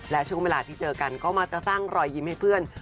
และช่วงเวลาที่เจอกันก็มักจะสร้างรอยยิ้มให้เพื่อน